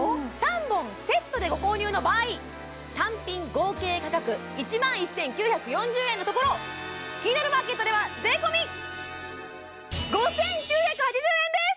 ３本セットでご購入の場合単品合計価格１万１９４０円のところ「キニナルマーケット」では税込５９８０円です！